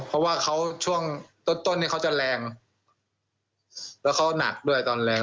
เพราะว่าเขาช่วงต้นเนี่ยเขาจะแรงแล้วเขาหนักด้วยตอนแรง